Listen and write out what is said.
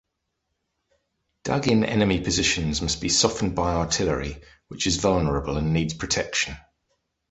Dug-in enemy positions must be softened by artillery, which is vulnerable and needs protection.